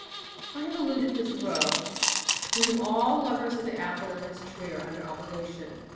I have alluded to Thoreau, to whom all lovers of the apple and its tree are under obligation.